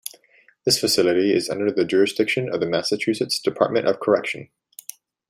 This facility is under the jurisdiction of the Massachusetts Department of Correction.